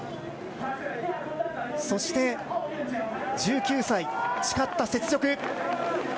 そして１９歳、誓った雪辱。